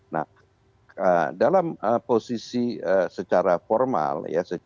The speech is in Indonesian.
nah dalam posisi secara formal